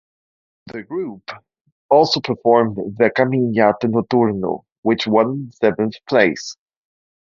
The group also performed their "Caminhante Noturno", which won seventh place.